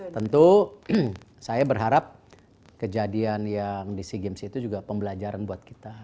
tentu saya berharap kejadian yang di sea games itu juga pembelajaran buat kita